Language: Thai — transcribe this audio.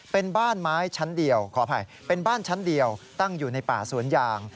เป็นบ้านไม้ชั้นเดียวขออภัยเป็นบ้านชั้นเดียวตั้งอยู่ในป่าสวนยาง